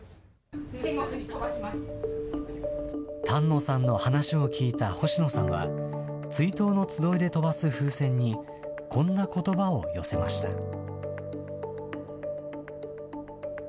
丹野さんの話を聞いた星野さんは、追悼のつどいで飛ばす風船に、こんなことばを寄せました。